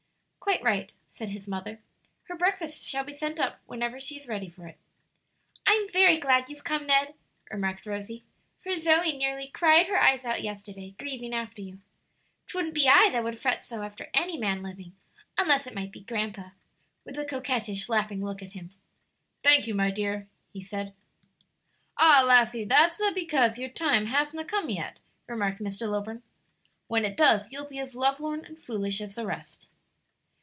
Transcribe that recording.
"Quite right," said his mother. "Her breakfast shall be sent up whenever she is ready for it." "I'm very glad you've come, Ned," remarked Rosie, "for Zoe nearly cried her eyes out yesterday, grieving after you. 'Twouldn't be I that would fret so after any man living unless it might be grandpa," with a coquettish, laughing look at him. "Thank you, my dear," he said. "Ah, lassie, that's a' because your time hasna come yet," remarked Mr. Lilburn. "When it does, you'll be as lovelorn and foolish as the rest."